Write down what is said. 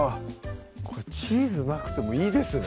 これチーズなくてもいいですね